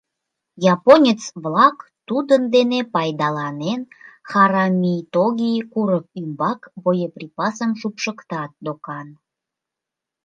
Японец-влак, тудын дене пайдаланен, Харамитоги курык ӱмбак боеприпасым шупшыктат, докан.